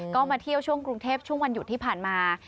ก็มาเที่ยวช่วงกรุงเทพช่วงวันหยุดที่ผ่านมา